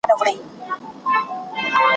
چی یوه بل ته خر وایی سره خاندي !.